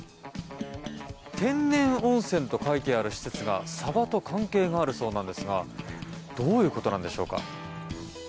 天然温泉と書いてある施設がサバと関係があるそうなんですがどういうことなんでしょうか。